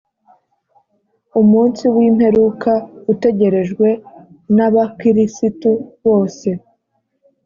Umunsi w’imperuka utegerejwe na abakirisito bose